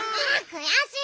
くやしい！